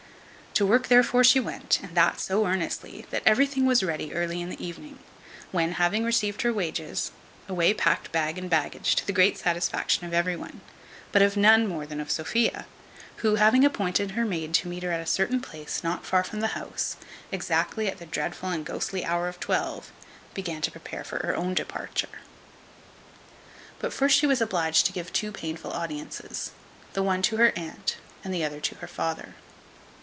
To work therefore she went, and that so earnestly, that everything was ready early in the evening; when, having received her wages, away packed bag and baggage, to the great satisfaction of every one, but of none more than of Sophia; who, having appointed her maid to meet her at a certain place not far from the house, exactly at the dreadful and ghostly hour of twelve, began to prepare for her own departure. But first she was obliged to give two painful audiences, the one to her aunt, and the other to her father.